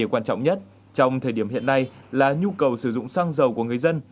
quan trọng nhất trong thời điểm hiện nay là nhu cầu sử dụng xăng dầu của người dân